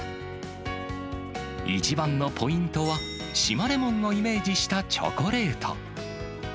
一番のポイントは、島レモンをイメージしたチョコレート。